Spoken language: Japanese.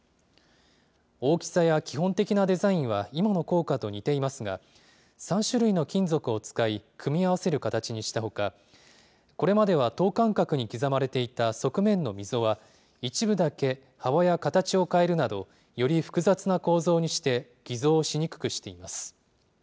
大きさや基本的なデザインは、今の硬貨と似ていますが、３種類の金属を使い、組み合わせる形にしたほか、これまでは等間隔に刻まれていた側面の溝は、一部だけ幅や形を変えるなど、より複雑な構造にして、偽造しにくくしています。